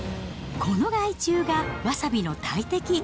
この害虫がわさびの大敵。